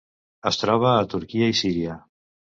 Es troba a Turquia i Síria.